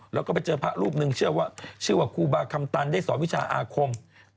แล้วก็ไปเจอพระรูปหนึ่งเชื่อว่าชื่อว่าครูบาคำตันได้สอนวิชาอาคม